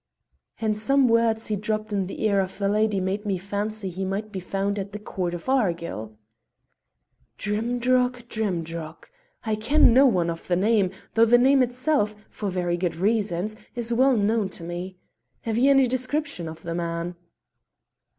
"And some words he dropped in the ear of the lady made me fancy he might be found about the Court of Argyll." "Drimdarroch! Drimdarroch! I ken no one of the name, though the name itself, for very good reasons, is well known to me. Have you any description of the man?"